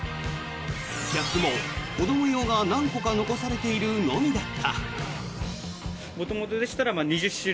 キャップも子ども用が何個か残されているのみだった。